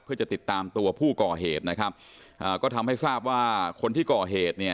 เพื่อจะติดตามตัวผู้ก่อเหตุนะครับอ่าก็ทำให้ทราบว่าคนที่ก่อเหตุเนี่ย